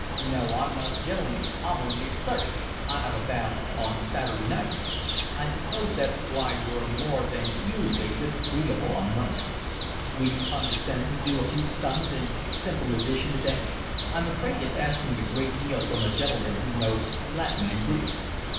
"No, I'm not a gentleman, I'm only a clerk. I have a bath on Saturday night." "I suppose that's why you're more than usually disagreeable on Monday." "Will you condescend to do a few sums in simple addition today? I'm afraid it's asking a great deal from a gentleman who knows Latin and Greek."